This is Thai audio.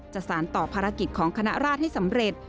สารต่อภารกิจของคณะราชให้สำเร็จ